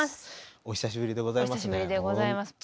お久しぶりでございますね